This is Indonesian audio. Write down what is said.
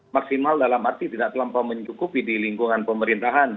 maksimal dalam arti tidak terlampau mencukupi di lingkungan pemerintahan